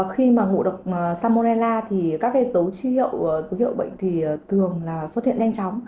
khi ngộ độc salmonella các dấu chi hiệu của dấu hiệu bệnh thường xuất hiện nhanh chóng